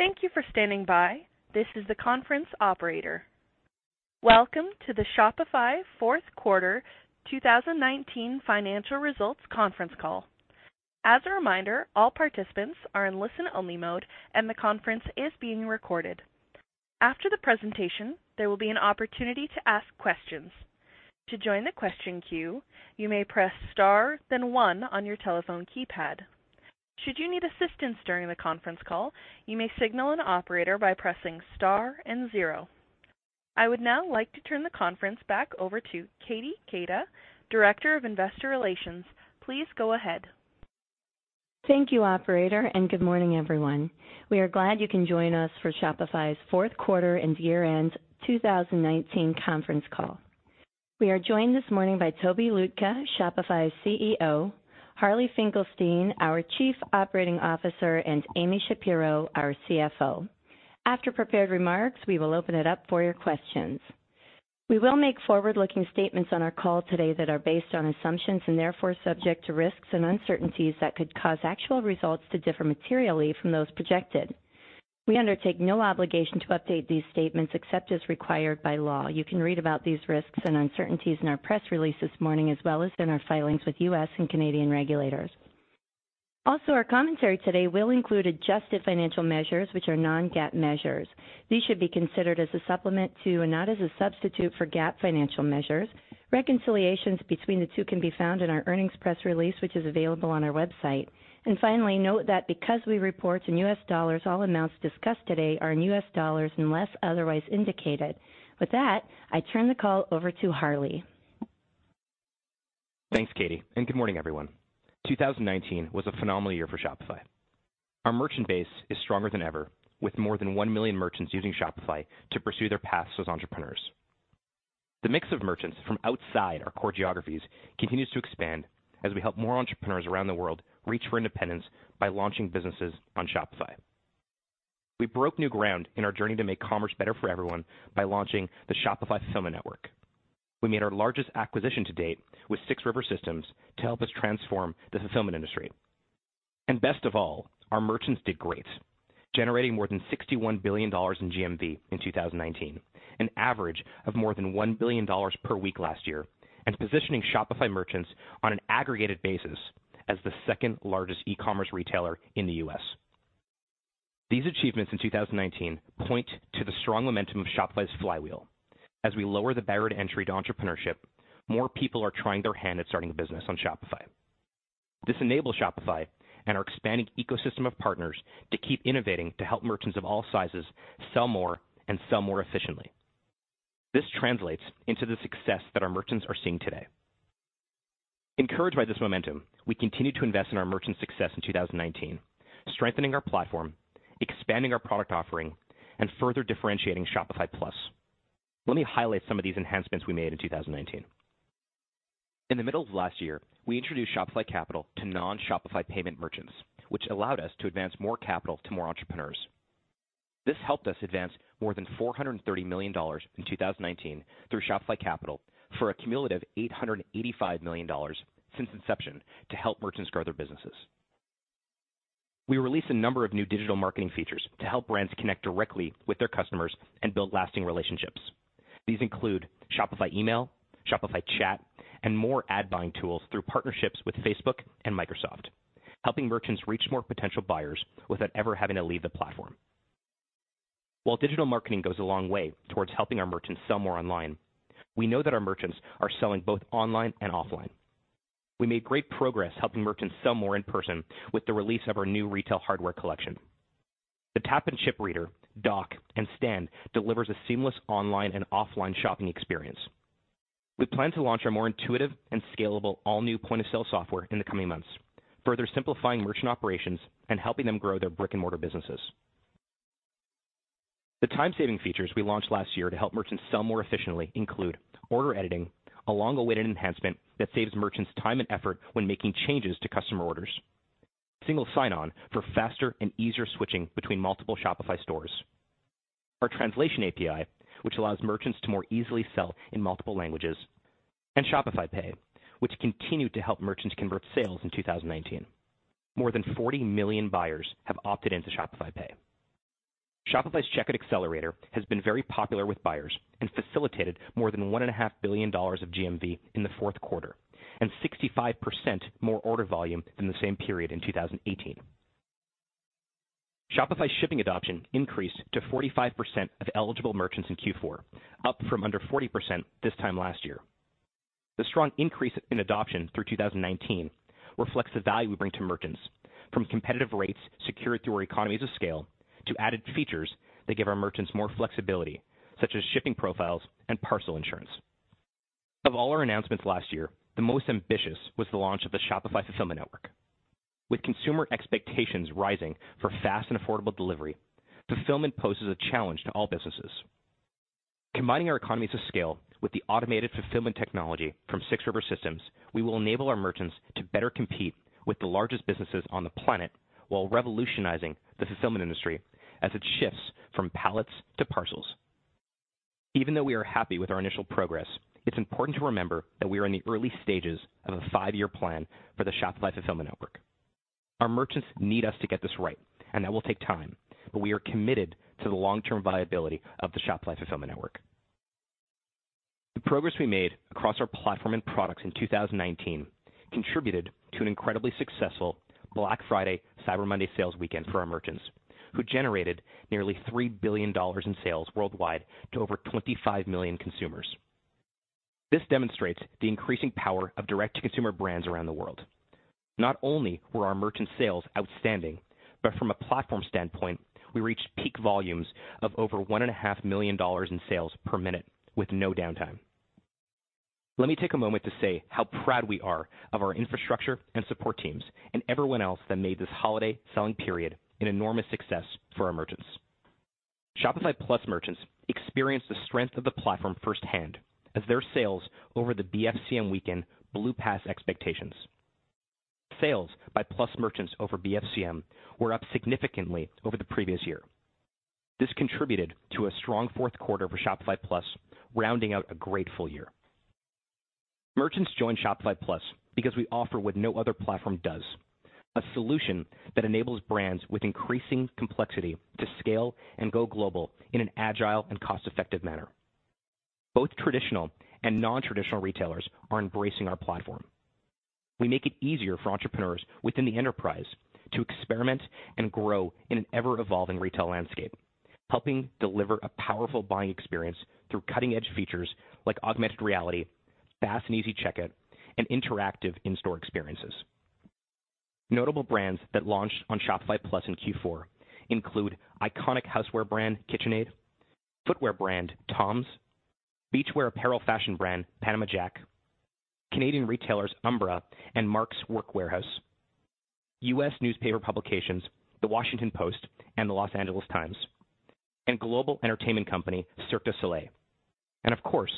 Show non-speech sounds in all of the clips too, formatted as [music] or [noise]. Thank you for standing by. This is the conference operator. Welcome to the Shopify's fourth quarter 2019 financial results conference call. As a reminder, all participants are in listen-only mode and the conference is being recorded. After the presentation, there will be an opportunity to ask questions. To join the question queue, you may press star then one on your telephone keypad. Should you need assistance during the conference call, you may signal an operator by pressing star and zero would now like to turn the conference back over to Katie Keita, Director of Investor Relations. Please go ahead. Thank you, operator. Good morning, everyone. We are glad you can join us for Shopify's fourth quarter and year-end 2019 conference call. We are joined this morning by Tobi Lütke, Shopify's CEO, Harley Finkelstein, our Chief Operating Officer, and Amy Shapero, our CFO. After prepared remarks, we will open it up for your questions. We will make forward-looking statements on our call today that are based on assumptions and therefore subject to risks and uncertainties that could cause actual results to differ materially from those projected. We undertake no obligation to update these statements except as required by law. You can read about these risks and uncertainties in our press release this morning, as well as in our filings with U.S. and Canadian regulators. Also, our commentary today will include adjusted financial measures which are non-GAAP measures. These should be considered as a supplement to, and not as a substitute for, GAAP financial measures. Reconciliations between the two can be found in our earnings press release, which is available on our website. Finally, note that because we report in U.S. dollars, all amounts discussed today are in U.S. dollars unless otherwise indicated. With that, I turn the call over to Harley. Thanks, Katie Keita. Good morning, everyone. 2019 was a phenomenal year for Shopify. Our merchant base is stronger than ever, with more than one million merchants using Shopify to pursue their paths as entrepreneurs. The mix of merchants from outside our core geographies continues to expand as we help more entrepreneurs around the world reach for independence by launching businesses on Shopify. We broke new ground in our journey to make commerce better for everyone by launching the Shopify Fulfillment Network. We made our largest acquisition to date with 6 River Systems to help us transform the fulfillment industry. Best of all, our merchants did great, generating more than $61 billion in GMV in 2019, an average of more than $1 billion per week last year, positioning Shopify merchants on an aggregated basis as the second-largest e-commerce retailer in the U.S. These achievements in 2019 point to the strong momentum of Shopify's flywheel. As we lower the barrier to entry to entrepreneurship, more people are trying their hand at starting a business on Shopify. This enables Shopify and our expanding ecosystem of partners to keep innovating to help merchants of all sizes sell more and sell more efficiently. This translates into the success that our merchants are seeing today. Encouraged by this momentum, we continued to invest in our merchant success in 2019, strengthening our platform, expanding our product offering, and further differentiating Shopify Plus. Let me highlight some of these enhancements we made in 2019. In the middle of last year, we introduced Shopify Capital to non-Shopify Payments merchants, which allowed us to advance more capital to more entrepreneurs. This helped us advance more than $430 million in 2019 through Shopify Capital for a cumulative $885 million since inception to help merchants grow their businesses. We released a number of new digital marketing features to help brands connect directly with their customers and build lasting relationships. These include Shopify Email, Shopify Chat, and more ad-buying tools through partnerships with Facebook and Microsoft, helping merchants reach more potential buyers without ever having to leave the platform. Digital marketing goes a long way towards helping our merchants sell more online, we know that our merchants are selling both online and offline. We made great progress helping merchants sell more in person with the release of our new retail hardware collection. The Tap & Chip Reader, Dock, and Stand delivers a seamless online and offline shopping experience. We plan to launch our more intuitive and scalable all-new point-of-sale software in the coming months, further simplifying merchant operations and helping them grow their brick-and-mortar businesses. The time-saving features we launched last year to help merchants sell more efficiently include order editing, a long-awaited enhancement that saves merchants time and effort when making changes to customer orders. Single sign-on for faster and easier switching between multiple Shopify stores. Our translation API, which allows merchants to more easily sell in multiple languages. Shopify Pay, which continued to help merchants convert sales in 2019. More than 40 million buyers have opted into Shopify Pay. Shopify's checkout accelerator has been very popular with buyers and facilitated more than $1.5 billion of GMV in the fourth quarter and 65% more order volume than the same period in 2018. Shopify Shipping adoption increased to 45% of eligible merchants in Q4, up from under 40% this time last year. The strong increase in adoption through 2019 reflects the value we bring to merchants from competitive rates secured through our economies of scale to added features that give our merchants more flexibility, such as shipping profiles and parcel insurance. Of all our announcements last year, the most ambitious was the launch of the Shopify Fulfillment Network. With consumer expectations rising for fast and affordable delivery, fulfillment poses a challenge to all businesses. Combining our economies of scale with the automated fulfillment technology from 6 River Systems, we will enable our merchants to better compete with the largest businesses on the planet while revolutionizing the fulfillment industry as it shifts from pallets to parcels. Even though we are happy with our initial progress, it's important to remember that we are in the early stages of a five-year plan for the Shopify Fulfillment Network. Our merchants need us to get this right, and that will take time, but we are committed to the long-term viability of the Shopify Fulfillment Network. The progress we made across our platform and products in 2019 contributed to an incredibly successful Black Friday Cyber Monday sales weekend for our merchants, who generated nearly $3 billion in sales worldwide to over 25 million consumers. This demonstrates the increasing power of direct-to-consumer brands around the world. Not only were our merchant sales outstanding, but from a platform standpoint, we reached peak volumes of over $1.5 million in sales per minute with no downtime. Let me take a moment to say how proud we are of our infrastructure and support teams and everyone else that made this holiday selling period an enormous success for our merchants. Shopify Plus merchants experienced the strength of the platform firsthand as their sales over the BFCM weekend blew past expectations. Sales by Plus merchants over BFCM were up significantly over the previous year. This contributed to a strong fourth quarter for Shopify Plus, rounding out a great full year. Merchants joined Shopify Plus because we offer what no other platform does, a solution that enables brands with increasing complexity to scale and go global in an agile and cost-effective manner. Both traditional and non-traditional retailers are embracing our platform. We make it easier for entrepreneurs within the enterprise to experiment and grow in an ever-evolving retail landscape, helping deliver a powerful buying experience through cutting-edge features like augmented reality, fast and easy checkout, and interactive in-store experiences. Notable brands that launched on Shopify Plus in Q4 include iconic houseware brand KitchenAid, footwear brand TOMS, beachwear apparel fashion brand Panama Jack, Canadian retailers Umbra and Mark's Work Wearhouse, U.S. newspaper publications The Washington Post and The Los Angeles Times, and global entertainment company Cirque du Soleil, and of course,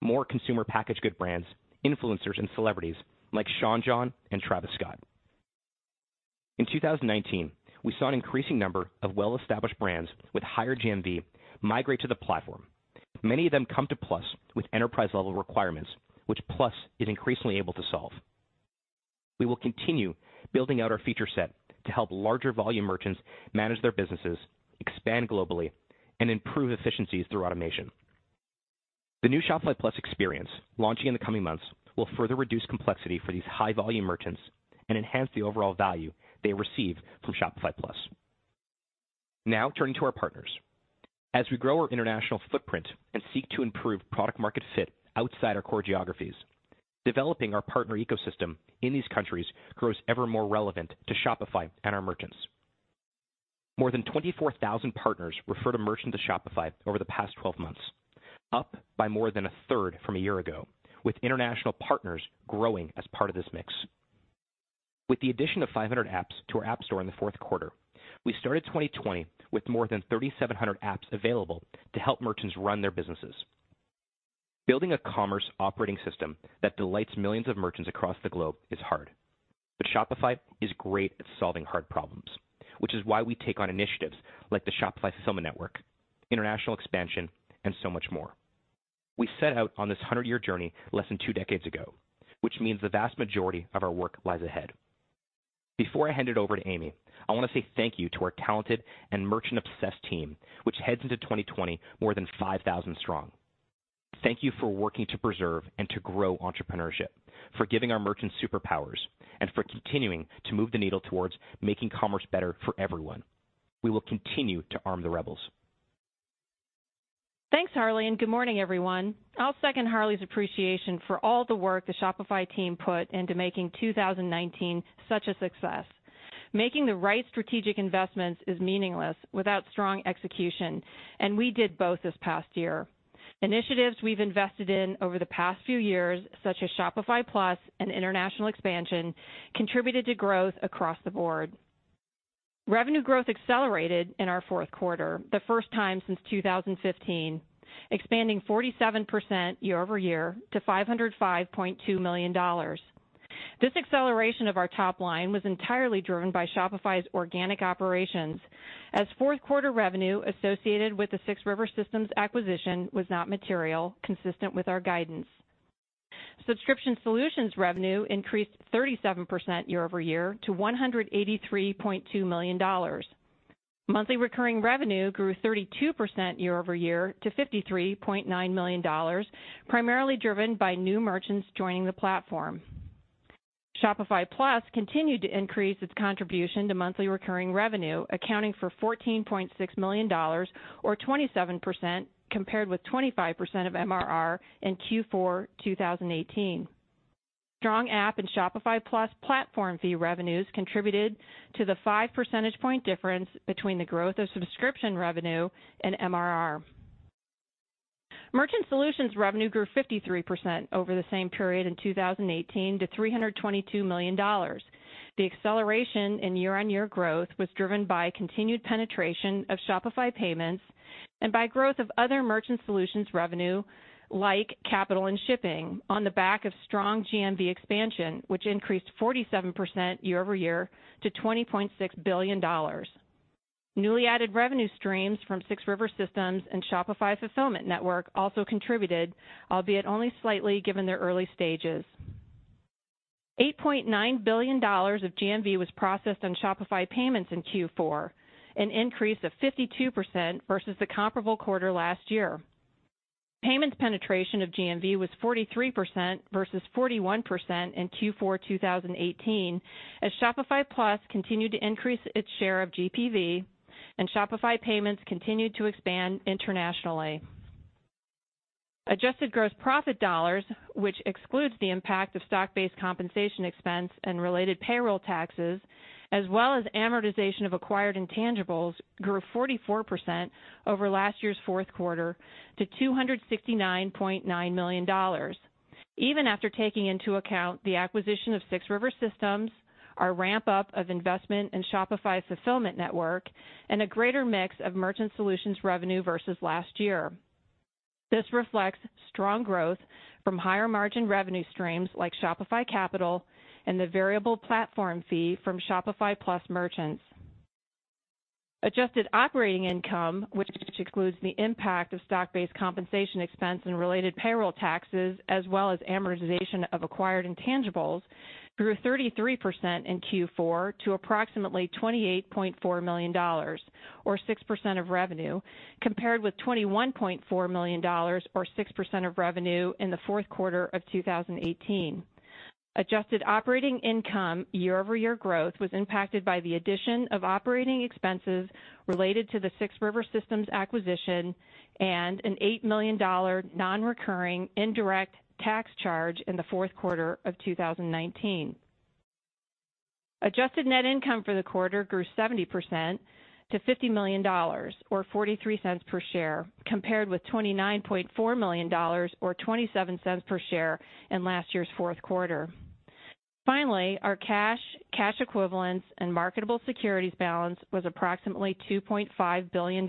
more Consumer Packaged Goods brands, influencers and celebrities like Sean John and Travis Scott. In 2019, we saw an increasing number of well-established brands with higher GMV migrate to the platform. Many of them come to Plus with enterprise-level requirements, which Plus is increasingly able to solve. We will continue building out our feature set to help larger volume merchants manage their businesses, expand globally, and improve efficiencies through automation. The new Shopify Plus experience launching in the coming months will further reduce complexity for these high-volume merchants and enhance the overall value they receive from Shopify Plus. Turning to our partners. As we grow our international footprint and seek to improve product market fit outside our core geographies, developing our partner ecosystem in these countries grows ever more relevant to Shopify and our merchants. More than 24,000 partners referred a merchant to Shopify over the past 12 months, up by more than 1/3 from a year ago, with international partners growing as part of this mix. With the addition of 500 apps to our app store in the fourth quarter, we started 2020 with more than 3,700 apps available to help merchants run their businesses. Building a commerce operating system that delights millions of merchants across the globe is hard, but Shopify is great at solving hard problems, which is why we take on initiatives like the Shopify Fulfillment Network, international expansion, and so much more. We set out on this 100-year journey less than two decades ago, which means the vast majority of our work lies ahead. Before I hand it over to Amy, I want to say thank you to our talented and merchant-obsessed team, which heads into 2020 more than 5,000 strong. Thank you for working to preserve and to grow entrepreneurship, for giving our merchants superpowers, and for continuing to move the needle towards making commerce better for everyone. We will continue to arm the rebels. Thanks, Harley. Good morning, everyone. I'll second Harley's appreciation for all the work the Shopify team put into making 2019 such a success. Making the right strategic investments is meaningless without strong execution, and we did both this past year. Initiatives we've invested in over the past few years, such as Shopify Plus an international expansion, contributed to growth across the board. Revenue growth accelerated in our fourth quarter, the first time since 2015, expanding 47% year-over-year to $505.2 million. This acceleration of our top line was entirely driven by Shopify's organic operations, as fourth quarter revenue associated with the 6 River Systems acquisition was not material, consistent with our guidance. Subscription Solutions revenue increased 37% year-over-year to $183.2 million. Monthly recurring revenue grew 32% year-over-year to $53.9 million, primarily driven by new merchants joining the platform. Shopify Plus continued to increase its contribution to monthly recurring revenue, accounting for $14.6 million or 27% compared with 25% of MRR in Q4 2018. Strong app and Shopify Plus platform fee revenues contributed to the five percentage point difference between the growth of subscription revenue and MRR. Merchant Solutions revenue grew 53% over the same period in 2018 to $322 million. The acceleration in year-on-year growth was driven by continued penetration of Shopify Payments and by growth of other Merchant Solutions revenue like Capital and Shipping on the back of strong GMV expansion, which increased 47% year-over-year to $20.6 billion. Newly added revenue streams from 6 River Systems and Shopify Fulfillment Network also contributed, albeit only slightly given their early stages. $8.9 billion of GMV was processed on Shopify Payments in Q4, an increase of 52% versus the comparable quarter last year. Payments penetration of GMV was 43% versus 41% in Q4 2018 as Shopify Plus continued to increase its share of GPV and Shopify Payments continued to expand internationally. Adjusted gross profit dollars, which excludes the impact of stock-based compensation expense and related payroll taxes, as well as amortization of acquired intangibles, grew 44% over last year's fourth quarter to $269.9 million. Even after taking into account the acquisition of 6 River Systems, our ramp-up of investment in Shopify Fulfillment Network, and a greater mix of merchant solutions revenue versus last year. This reflects strong growth from higher-margin revenue streams like Shopify Capital and the variable platform fee from Shopify Plus merchants. Adjusted operating income, which excludes the impact of stock-based compensation expense and related payroll taxes, as well as amortization of acquired intangibles, grew 33% in Q4 to approximately $28.4 million or 6% of revenue, compared with $21.4 million or 6% of revenue in the fourth quarter of 2018. Adjusted operating income year-over-year growth was impacted by the addition of operating expenses related to the 6 River Systems acquisition and an $8 million non-recurring indirect tax charge in the fourth quarter of 2019. Adjusted net income for the quarter grew 70% to $50 million or $0.43 per share, compared with $29.4 million or $0.27 per share in last year's fourth quarter. Finally, our cash equivalents and marketable securities balance was approximately $2.5 billion.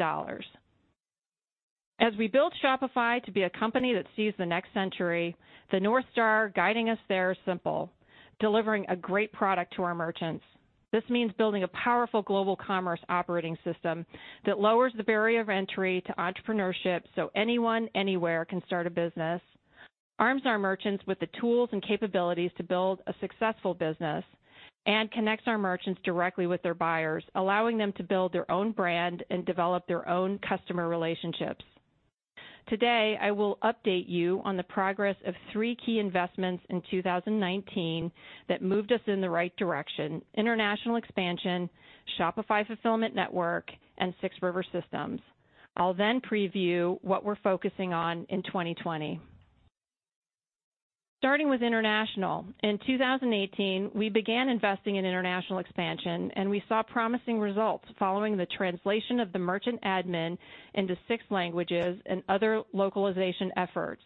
As we build Shopify to be a company that sees the next century, the North Star guiding us there is simple, delivering a great product to our merchants. This means building a powerful global commerce operating system that lowers the barrier of entry to entrepreneurship so anyone, anywhere can start a business, arms our merchants with the tools and capabilities to build a successful business, and connects our merchants directly with their buyers, allowing them to build their own brand and develop their own customer relationships. Today, I will update you on the progress of three key investments in 2019 that moved us in the right direction, international expansion, Shopify Fulfillment Network, and 6 River Systems. I'll then preview what we're focusing on in 2020. Starting with international. In 2018, we began investing in international expansion, and we saw promising results following the translation of the merchant admin into six languages and other localization efforts.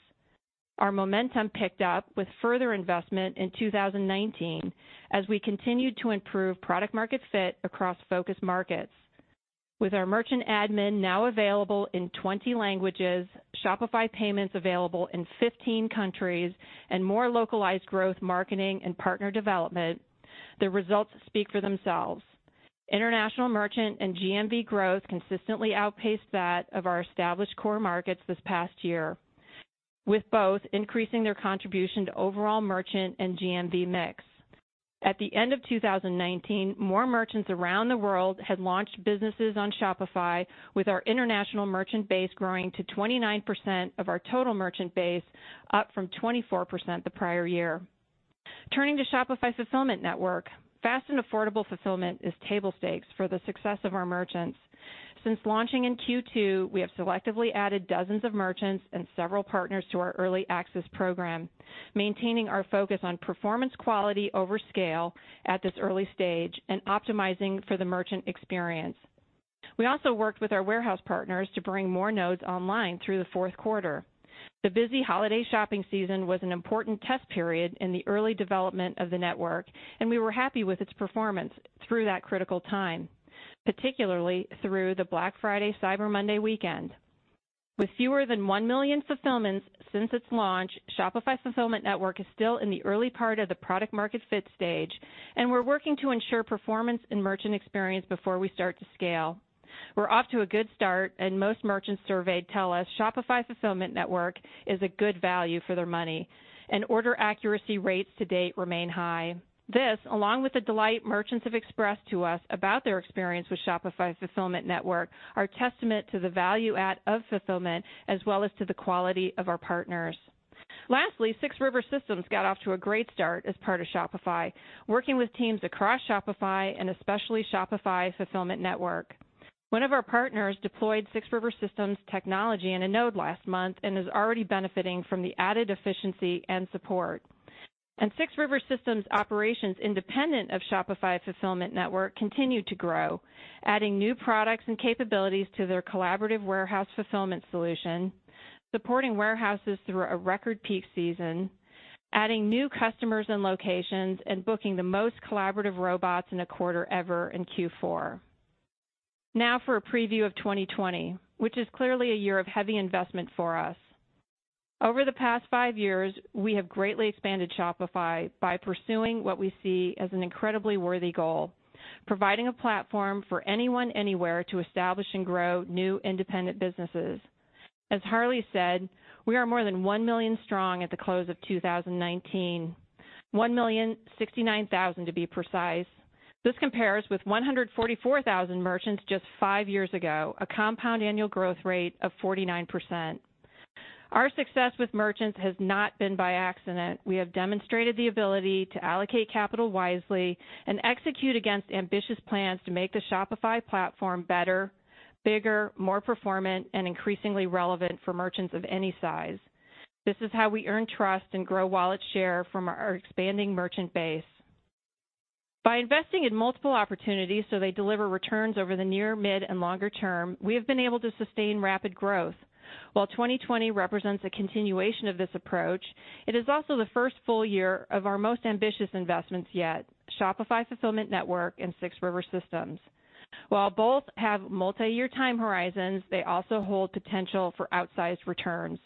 Our momentum picked up with further investment in 2019 as we continued to improve product market fit across focus markets. With our merchant admin now available in 20 languages, Shopify Payments available in 15 countries, and more localized growth, marketing, and partner development, the results speak for themselves. International merchant and GMV growth consistently outpaced that of our established core markets this past year, with both increasing their contribution to overall merchant and GMV mix. At the end of 2019, more merchants around the world had launched businesses on Shopify with our international merchant base growing to 29% of our total merchant base, up from 24% the prior year. Turning to Shopify Fulfillment Network, fast and affordable fulfillment is table stakes for the success of our merchants. Since launching in Q2, we have selectively added dozens of merchants and several partners to our early access program, maintaining our focus on performance quality over scale at this early stage and optimizing for the merchant experience. We also worked with our warehouse partners to bring more nodes online through the fourth quarter. The busy holiday shopping season was an important test period in the early development of the network, and we were happy with its performance through that critical time, particularly through the Black Friday Cyber Monday weekend. With fewer than one million fulfillments since its launch, Shopify Fulfillment Network is still in the early part of the product market fit stage, and we're working to ensure performance and merchant experience before we start to scale. We're off to a good start, and most merchants surveyed tell us Shopify Fulfillment Network is a good value for their money, and order accuracy rates to date remain high. This, along with the delight merchants have expressed to us about their experience with Shopify Fulfillment Network, are testament to the value add of fulfillment as well as to the quality of our partners. 6 River Systems got off to a great start as part of Shopify, working with teams across Shopify and especially Shopify Fulfillment Network. One of our partners deployed 6 River Systems technology in a node last month and is already benefiting from the added efficiency and support. 6 River Systems operations independent of Shopify Fulfillment Network continue to grow, adding new products and capabilities to their collaborative warehouse fulfillment solution, supporting warehouses through a record peak season, adding new customers and locations, booking the most collaborative robots in a quarter ever in Q4. Now for a preview of 2020, which is clearly a year of heavy investment for us. Over the past five years, we have greatly expanded Shopify by pursuing what we see as an incredibly worthy goal, providing a platform for anyone, anywhere to establish and grow new independent businesses. As Harley said, we are more than one million strong at the close of 2019. 1,069,000 merchants to be precise. This compares with 144,000 merchants just five years ago, a compound annual growth rate of 49%. Our success with merchants has not been by accident. We have demonstrated the ability to allocate capital wisely and execute against ambitious plans to make the Shopify platform better, bigger, more performant, and increasingly relevant for merchants of any size. This is how we earn trust and grow wallet share from our expanding merchant base. By investing in multiple opportunities so they deliver returns over the near, mid, and longer term, we have been able to sustain rapid growth. While 2020 represents a continuation of this approach, it is also the first full year of our most ambitious investments yet, Shopify Fulfillment Network and 6 River Systems. While both have multi-year time horizons, they also hold potential for outsized returns.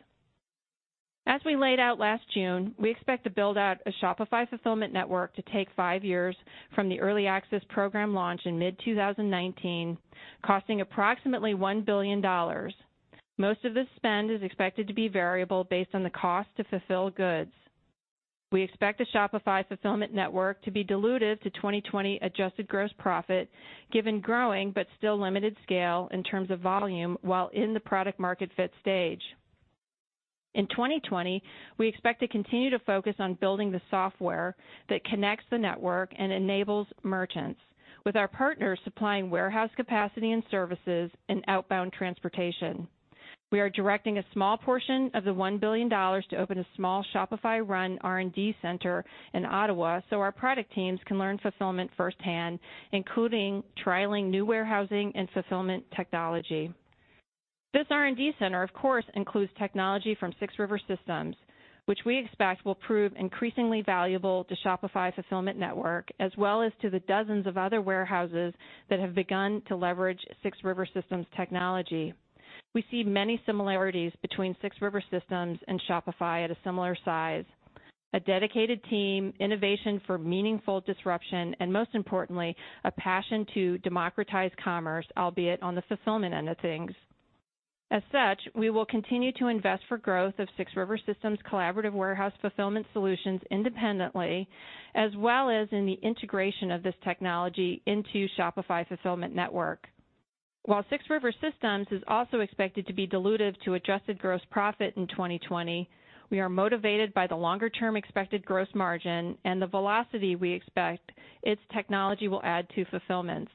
As we laid out last June, we expect to build out a Shopify Fulfillment Network to take five years from the early access program launch in mid-2019, costing approximately $1 billion. Most of this spend is expected to be variable based on the cost to fulfill goods. We expect the Shopify Fulfillment Network to be dilutive to 2020 adjusted gross profit, given growing but still limited scale in terms of volume while in the product market fit stage. In 2020, we expect to continue to focus on building the software that connects the network and enables merchants, with our partners supplying warehouse capacity and services and outbound transportation. We are directing a small portion of the $1 billion to open a small Shopify-run R&D center in Ottawa so our product teams can learn fulfillment firsthand, including trialing new warehousing and fulfillment technology. This R&D center, of course, includes technology from 6 River Systems, which we expect will prove increasingly valuable to Shopify Fulfillment Network, as well as to the dozens of other warehouses that have begun to leverage 6 River Systems technology. We see many similarities between 6 River Systems and Shopify at a similar size. A dedicated team, innovation for meaningful disruption, and most importantly, a passion to democratize commerce, albeit on the fulfillment end of things. We will continue to invest for growth of 6 River Systems' collaborative warehouse fulfillment solutions independently, as well as in the integration of this technology into Shopify Fulfillment Network. While 6 River Systems is also expected to be dilutive to adjusted gross profit in 2020, we are motivated by the longer-term expected gross margin and the velocity we expect its technology will add to fulfillments.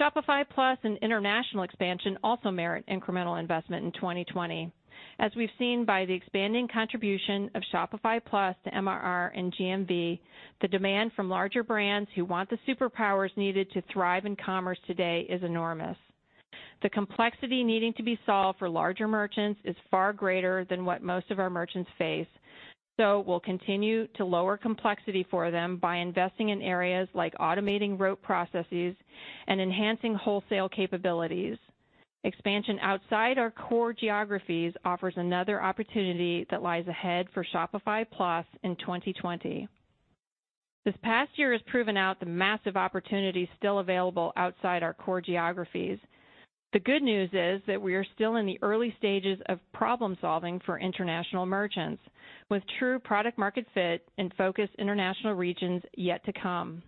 Shopify Plus and international expansion also merit incremental investment in 2020. As we've seen by the expanding contribution of Shopify Plus to MRR and GMV, the demand from larger brands who want the superpowers needed to thrive in commerce today is enormous. The complexity needing to be solved for larger merchants is far greater than what most of our merchants face, so we'll continue to lower complexity for them by investing in areas like automating rote processes and enhancing wholesale capabilities. Expansion outside our core geographies offers another opportunity that lies ahead for Shopify Plus in 2020. This past year has proven out the massive opportunities still available outside our core geographies. The good news is that we are still in the early stages of problem-solving for international merchants, with true product market fit and focused international regions yet to come.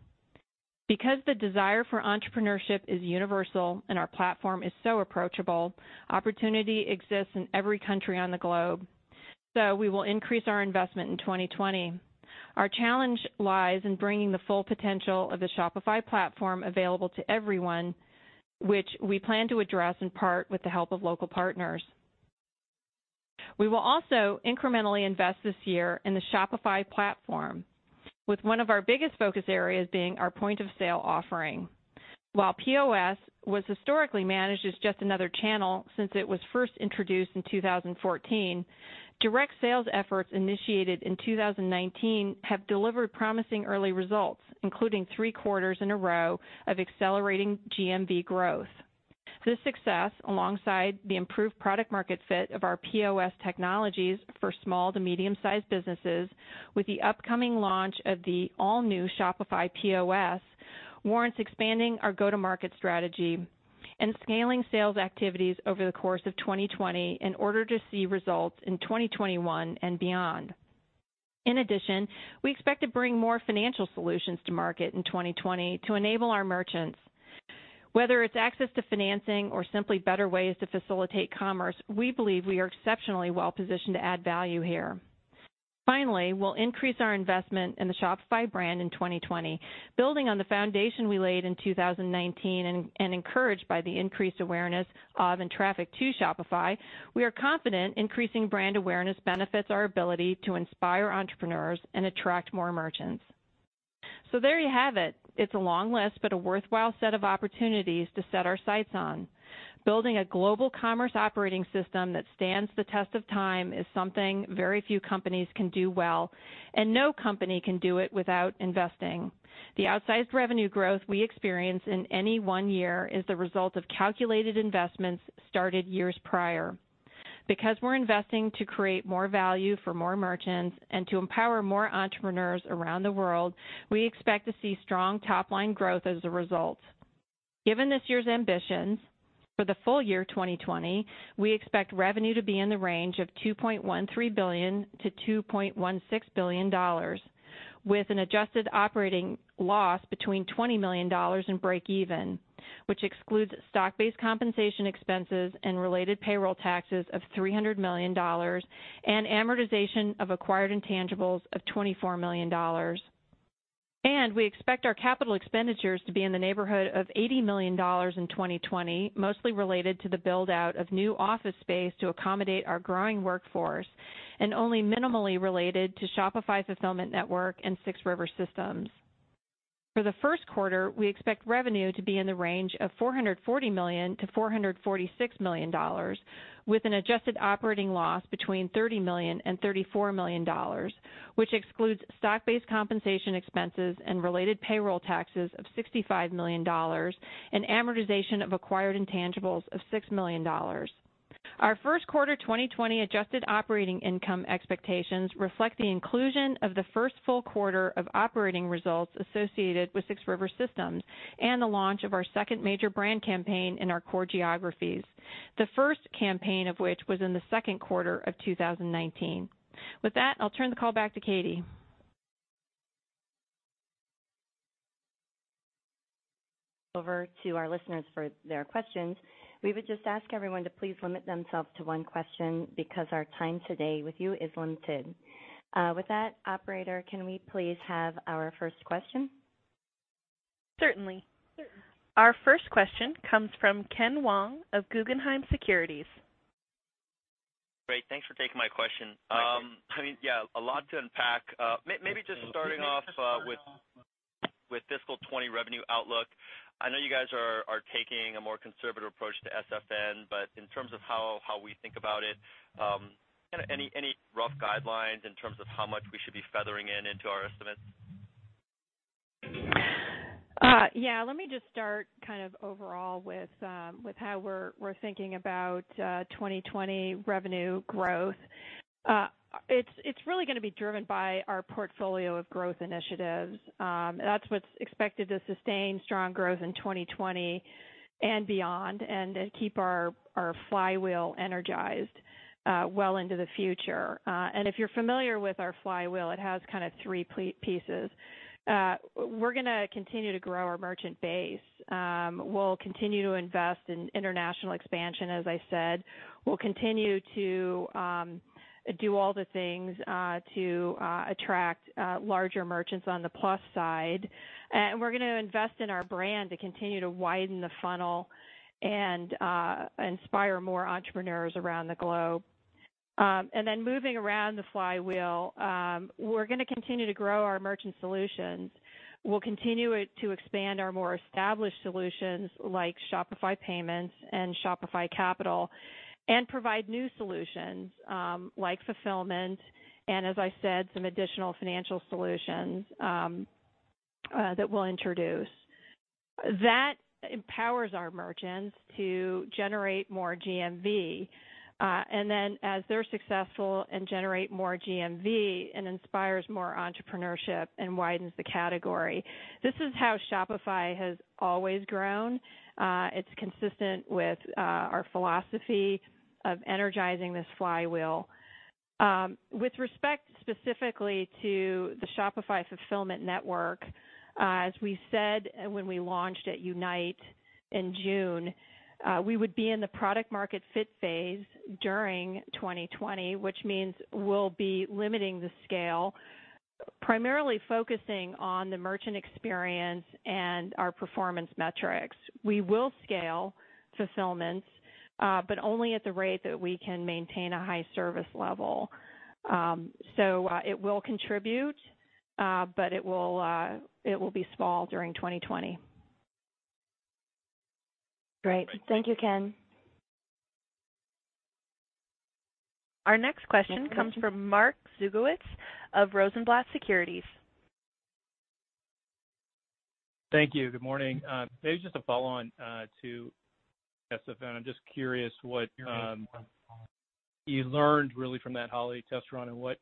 The desire for entrepreneurship is universal and our platform is so approachable, opportunity exists in every country on the globe. We will increase our investment in 2020. Our challenge lies in bringing the full potential of the Shopify platform available to everyone, which we plan to address in part with the help of local partners. We will also incrementally invest this year in the Shopify platform, with one of our biggest focus areas being our Point of Sale offering. While POS was historically managed as just another channel since it was first introduced in 2014, direct sales efforts initiated in 2019 have delivered promising early results, including three quarters in a row of accelerating GMV growth. This success, alongside the improved product market fit of our POS technologies for small to medium-sized businesses with the upcoming launch of the all-new Shopify POS, warrants expanding our go-to-market strategy and scaling sales activities over the course of 2020 in order to see results in 2021 and beyond. We expect to bring more financial solutions to market in 2020 to enable our merchants. Whether it's access to financing or simply better ways to facilitate commerce, we believe we are exceptionally well-positioned to add value here. We'll increase our investment in the Shopify brand in 2020. Building on the foundation we laid in 2019 and encouraged by the increased awareness of and traffic to Shopify, we are confident increasing brand awareness benefits our ability to inspire entrepreneurs and attract more merchants. There you have it. It's a long list, but a worthwhile set of opportunities to set our sights on. Building a global commerce operating system that stands the test of time is something very few companies can do well, and no company can do it without investing. The outsized revenue growth we experience in any one year is the result of calculated investments started years prior. Because we're investing to create more value for more merchants and to empower more entrepreneurs around the world, we expect to see strong top-line growth as a result. Given this year's ambitions, for the full year 2020, we expect revenue to be in the range of $2.13 billion-$2.16 billion, with an adjusted operating loss between $20 million and break even, which excludes stock-based compensation expenses and related payroll taxes of $300 million and amortization of acquired intangibles of $24 million. We expect our capital expenditures to be in the neighborhood of $80 million in 2020, mostly related to the build-out of new office space to accommodate our growing workforce, and only minimally related to Shopify Fulfillment Network and 6 River Systems. For the first quarter, we expect revenue to be in the range of $440 million-$446 million, with an adjusted operating loss between $30 million and $34 million, which excludes stock-based compensation expenses and related payroll taxes of $65 million and amortization of acquired intangibles of $6 million. Our first quarter 2020 adjusted operating income expectations reflect the inclusion of the first full quarter of operating results associated with 6 River Systems and the launch of our second major brand campaign in our core geographies, the first campaign of which was in the second quarter of 2019. With that, I'll turn the call back to Katie. Over to our listeners for their questions. We would just ask everyone to please limit themselves to one question because our time today with you is limited. With that, operator, can we please have our first question? Certainly. Our first question comes from Ken Wong of Guggenheim Securities. Great. Thanks for taking my question. I mean, yeah, a lot to unpack. Maybe just starting off with fiscal 2020 revenue outlook. I know you guys are taking a more conservative approach to SFN, but in terms of how we think about it, kinda any rough guidelines in terms of how much we should be feathering into our estimates? Let me just start kind of overall with how we're thinking about 2020 revenue growth. It's really gonna be driven by our portfolio of growth initiatives. That's what's expected to sustain strong growth in 2020 and beyond and keep our flywheel energized well into the future. If you're familiar with our flywheel, it has kind of three pieces. We're gonna continue to grow our merchant base. We'll continue to invest in international expansion, as I said. We'll continue to do all the things to attract larger merchants on the Plus side. We're gonna invest in our brand to continue to widen the funnel and inspire more entrepreneurs around the globe. Then moving around the flywheel, we're gonna continue to grow our merchant solutions. We'll continue to expand our more established solutions like Shopify Payments and Shopify Capital, and provide new solutions, like Fulfillment, and as I said, some additional financial solutions that we'll introduce. That empowers our merchants to generate more GMV. Then as they're successful and generate more GMV, it inspires more entrepreneurship and widens the category. This is how Shopify has always grown. It's consistent with our philosophy of energizing this flywheel. With respect specifically to the Shopify Fulfillment Network, as we said when we launched at Unite in June, we would be in the product market fit phase during 2020, which means we'll be limiting the scale, primarily focusing on the merchant experience and our performance metrics. We will scale fulfillment, only at the rate that we can maintain a high service level. It will contribute, but it will be small during 2020. Great. Thank you, Ken. Our next question comes from Mark Zgutowicz of Rosenblatt Securities. Thank you. Good morning. Maybe just a follow-on to SFN. I'm just curious what you learned really from that holiday test run and what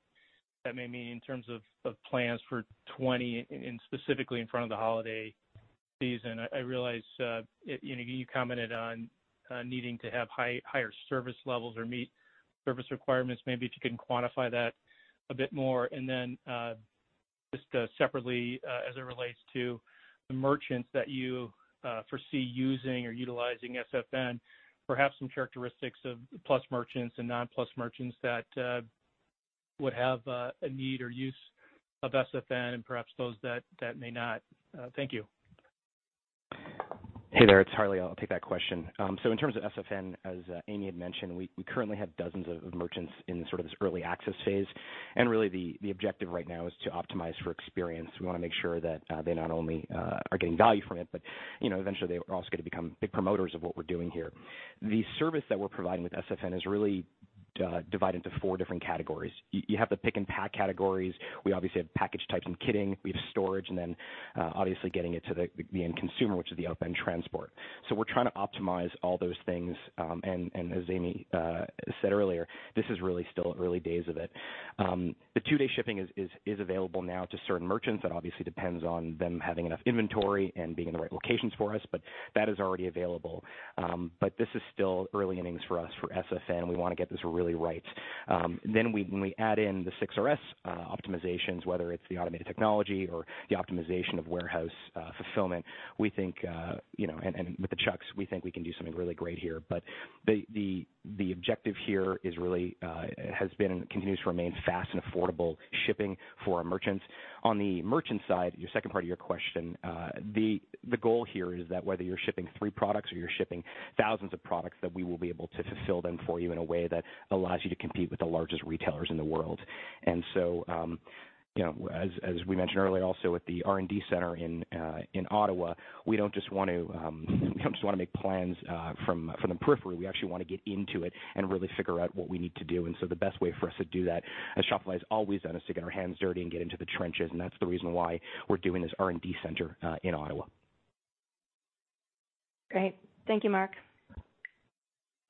that may mean in terms of plans for 2020 and specifically in front of the holiday season. I realize, you know, you commented on needing to have higher service levels or meet service requirements. Maybe if you can quantify that a bit more. Then, just separately, as it relates to the merchants that you foresee using or utilizing SFN, perhaps some characteristics of Plus merchants and non-Plus merchants that would have a need or use of SFN and perhaps those that may not. Thank you. Hey there, it's Harley. I'll take that question. In terms of SFN, as Amy had mentioned, we currently have dozens of merchants in sort of this early access phase. Really the objective right now is to optimize for experience. We want to make sure that they not only are getting value from it, but, you know, eventually they are also going to become big promoters of what we're doing here. The service that we're providing with SFN is really divided into four different categories. You have the pick and pack categories. We obviously have package types and kitting. We have storage, obviously getting it to the end consumer, which is the outbound transport. We're trying to optimize all those things. As Amy said earlier, this is really still early days of it. The two-day shipping is available now to certain merchants. That obviously depends on them having enough inventory and being in the right locations for us. That is already available. This is still early innings for us for SFN. We wanna get this really right. When we add in the 6RS optimizations, whether it's the automated technology or the optimization of warehouse fulfillment, we think, you know, and with the Chucks, we think we can do something really great here. The objective here is really has been and continues to remain fast and affordable shipping for our merchants. On the merchant side, your second part of your question, the goal here is that whether you're shipping three products or you're shipping thousands of products, that we will be able to fulfill them for you in a way that allows you to compete with the largest retailers in the world. You know, as we mentioned earlier also with the R&D center in Ottawa, we don't just want to make plans from the periphery. We actually wanna get into it and really figure out what we need to do. The best way for us to do that, as Shopify has always done, is to get our hands dirty and get into the trenches, and that's the reason why we're doing this R&D center in Ottawa. Great. Thank you, Mark.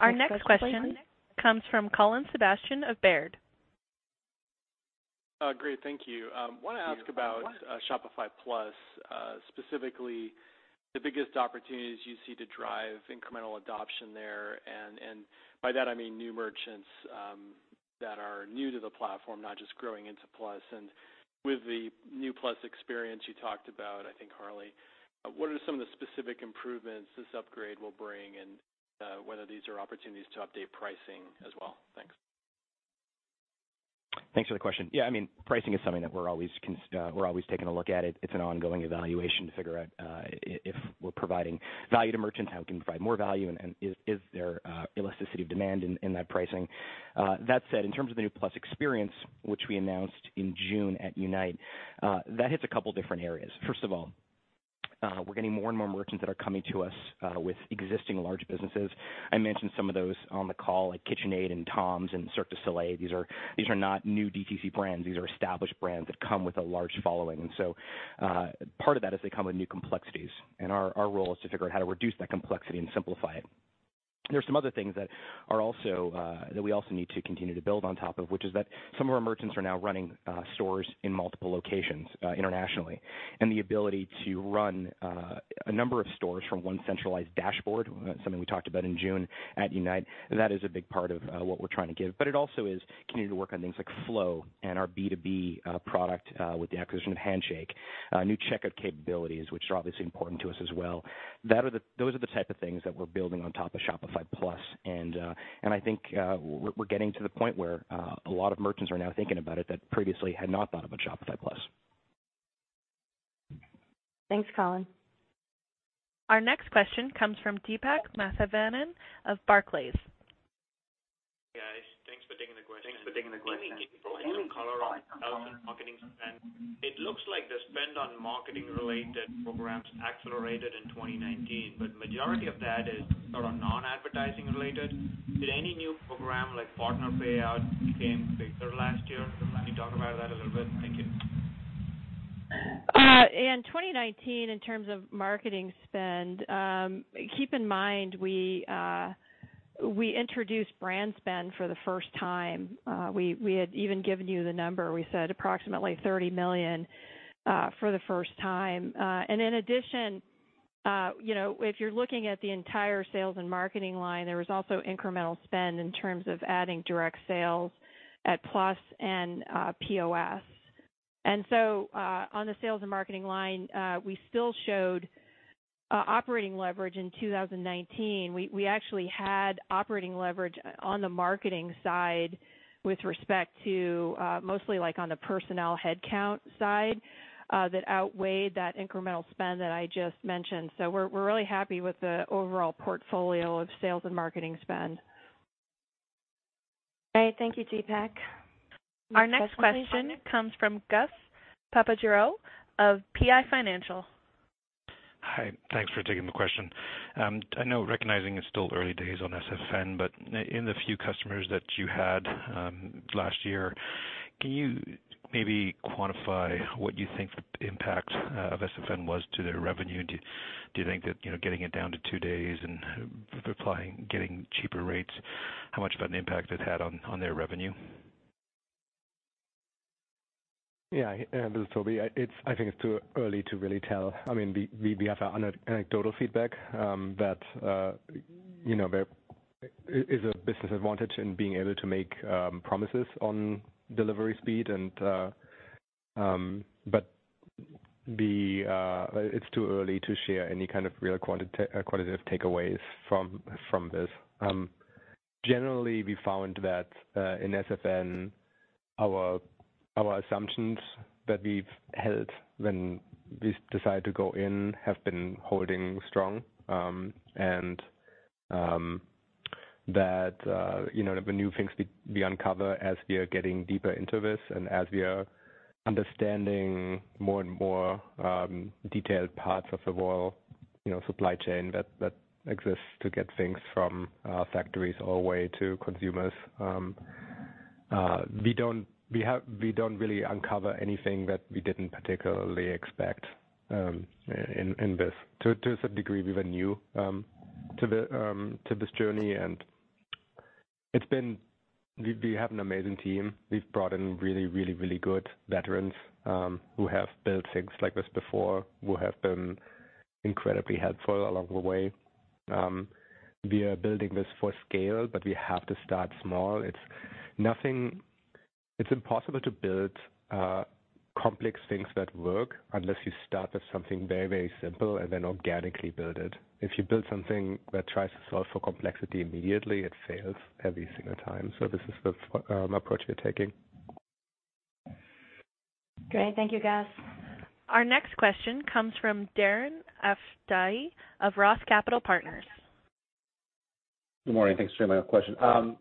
Our next question comes from Colin Sebastian of Baird. Great, thank you. Wanna ask about Shopify Plus, specifically the biggest opportunities you see to drive incremental adoption there. By that I mean new merchants, that are new to the platform, not just growing into Plus. With the new Plus experience you talked about, I think, Harley, what are some of the specific improvements this upgrade will bring, and whether these are opportunities to update pricing as well? Thanks. Thanks for the question. Yeah, I mean, pricing is something that we're always taking a look at it. It's an ongoing evaluation to figure out if we're providing value to merchants, how we can provide more value, and is there elasticity of demand in that pricing. That said, in terms of the new Plus experience, which we announced in June at Unite, that hits a couple of different areas. 1st of all, we're getting more and more merchants that are coming to us with existing large businesses. I mentioned some of those on the call, like KitchenAid and TOMS and Cirque du Soleil. These are not new DTC brands. These are established brands that come with a large following. Part of that is they come with new complexities, and our role is to figure out how to reduce that complexity and simplify it. There are some other things that are also that we also need to continue to build on top of, which is that some of our merchants are now running stores in multiple locations internationally. The ability to run a number of stores from one centralized dashboard, something we talked about in June at Unite, that is a big part of what we're trying to give. It also is continuing to work on things like Flow and our B2B product with the acquisition of Handshake, new checkout capabilities, which are obviously important to us as well. Those are the type of things that we're building on top of Shopify Plus. I think we're getting to the point where a lot of merchants are now thinking about it that previously had not thought about Shopify Plus. Thanks, Colin. Our next question comes from Deepak Mathivanan of Barclays. Hey, guys. Thanks for taking the question. Can you maybe provide some color on sales and marketing spend? It looks like the spend on marketing related programs accelerated in 2019, but majority of that is sort of non-advertising related. Did any new program like partner payout became bigger last year? Can you talk about that a little bit? Thank you. In 2019, in terms of marketing spend, keep in mind, we introduced brand spend for the first time. We had even given you the number. We said approximately $30 million for the first time. In addition, you know, if you're looking at the entire sales and marketing line, there was also incremental spend in terms of adding direct sales at Shopify Plus and Shopify POS. On the sales and marketing line, we still showed operating leverage in 2019. We actually had operating leverage on the marketing side with respect to mostly like on the personnel headcount side, that outweighed that incremental spend that I just mentioned. We're really happy with the overall portfolio of sales and marketing spend. Great. Thank you, Deepak. Our next question comes from Gus Papageorgiou of PI Financial. Hi. Thanks for taking the question. I know recognizing it's still early days on SFN, but in the few customers that you had last year, can you maybe quantify what you think the impact of SFN was to their revenue? Do you think that, you know, getting it down to two days and applying, getting cheaper rates, how much of an impact it had on their revenue? This is Tobi. It's, I think it's too early to really tell. I mean, we have anecdotal feedback, that, you know, there is a business advantage in being able to make promises on delivery speed and, but the, it's too early to share any kind of real quantitative takeaways from this. Generally, we found that in SFN, our assumptions that we've held when we decided to go in have been holding strong. That, you know, the new things we uncover as we are getting deeper into this and as we are understanding more and more detailed parts of the real, you know, supply chain that exists to get things from factories all the way to consumers, we don't really uncover anything that we didn't particularly expect in this. To a degree, we were new to this journey, we have an amazing team. We've brought in really, really, really good veterans who have built things like this before, who have been incredibly helpful along the way. We are building this for scale, we have to start small. It's impossible to build, complex things that work unless you start with something very, very simple and then organically build it. If you build something that tries to solve for complexity immediately, it fails every single time. This is the approach we're taking. Great. Thank you, Gus. Our next question comes from Darren Aftahi of Roth Capital Partners. Good morning. Thanks for taking my question.